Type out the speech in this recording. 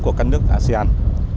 của các nước asean